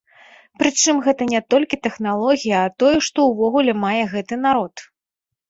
Прычым гэта не толькі тэхналогіі, а тое, што ўвогуле мае гэты народ.